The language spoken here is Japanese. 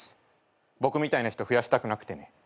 僕みたいな人増やしたくなくてね。